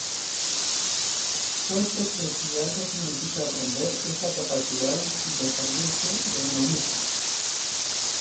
Puesto que si algo significa aprender es la capacidad de salirse de uno mismo.